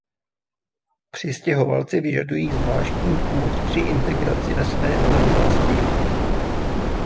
Přistěhovalci vyžadují zvláštní pomoc při integraci ve své nové vlasti.